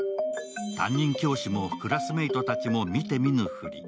担任教師もクラスメイトたちも見て見ぬふり。